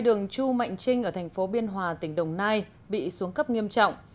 đường chu mạnh trinh ở thành phố biên hòa tỉnh đồng nai bị xuống cấp nghiêm trọng